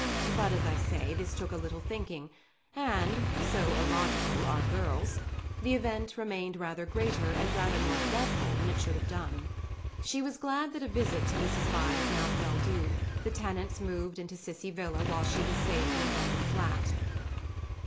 But, as I say, this took a little thinking, and—so illogical are girls—the event remained rather greater and rather more dreadful than it should have done. She was glad that a visit to Mrs. Vyse now fell due; the tenants moved into Cissie Villa while she was safe in the London flat.